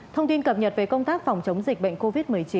thông tin cập nhật về công tác phòng chống dịch bệnh covid một mươi chín